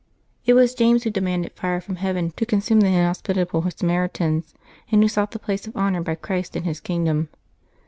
It was James who demanded fire from heaven to consume the inhospitable Samaritans, and who sought the place of honor by Christ in His Kingdom.